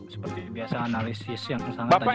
seperti biasa analisis yang sangat tajam